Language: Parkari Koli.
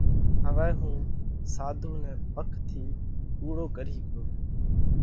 هوَئہ هُون ساڌُو نئہ پڪ ٿِي ڪُوڙو ڪرِيه پرو۔